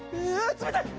冷たい！